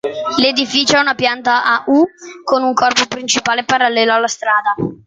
L'edificio ha una pianta a "U", con un corpo principale parallelo alla strada.